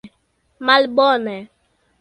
malbone